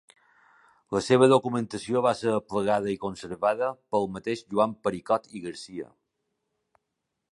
La seva documentació va ser aplegada i conservada pel mateix Joan Pericot i Garcia.